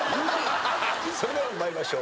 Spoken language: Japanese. それでは参りましょう。